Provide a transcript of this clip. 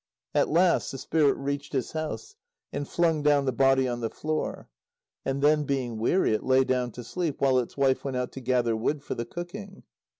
At last the Spirit reached its house, and flung down the body on the floor. And then, being weary, it lay down to sleep, while its wife went out to gather wood for the cooking.